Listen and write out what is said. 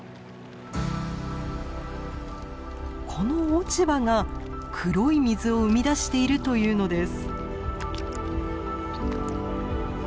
この落ち葉が黒い水を生み出しているというのです。